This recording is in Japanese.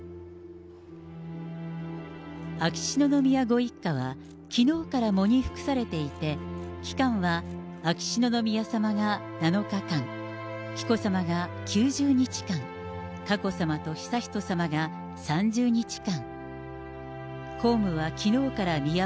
秋篠宮ご一家はきのうから喪に服されていて、期間は秋篠宮さまが７日間、紀子さまが９０日間、佳子さまと悠仁さまが３０日間。